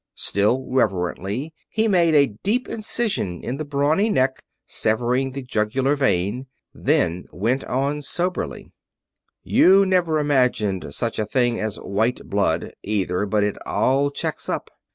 Still reverently, he made a deep incision in the brawny neck, severing the jugular vein, then went on, soberly: "You never imagined such a thing as white blood, either, but it all checks up.